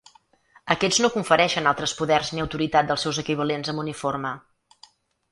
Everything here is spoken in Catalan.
Aquests no confereixen altres poders ni autoritat dels seus equivalents amb uniforme.